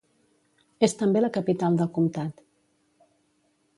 És també la capital del comtat.